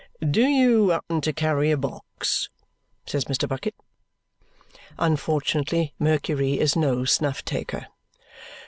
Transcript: "Do you happen to carry a box?" says Mr. Bucket. Unfortunately Mercury is no snuff taker.